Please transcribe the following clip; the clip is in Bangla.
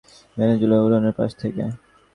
বেরুক মুদির দোকান থেকে, ভুনাওয়ালার উনুনের পাশ থেকে।